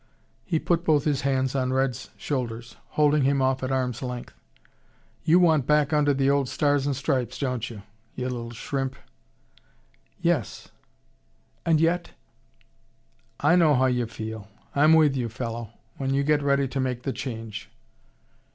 He put both his hands on Red's shoulders, holding him off at arm's length. "You want back under the old Stars and Stripes, don't you? ... you little shrimp!" "Yes," slowly, "and yet " "I know how you feel. I'm with you, fellow, when you get ready to make the change."